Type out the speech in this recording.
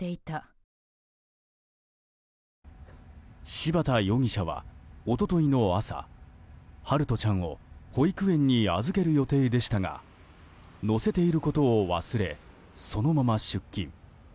柴田容疑者は一昨日の朝陽翔ちゃんを保育園に預ける予定でしたが乗せていることを忘れそのまま出勤。